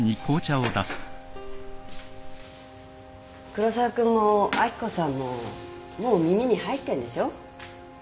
黒沢君も明子さんももう耳に入ってんでしょ？